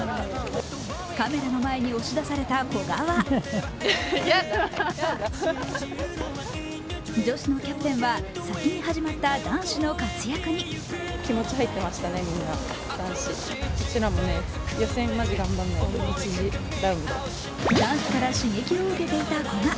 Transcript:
カメラの前に押し出された古賀は女子のキャプテンは先に始まった男子の活躍に男子から刺激を受けていた古賀。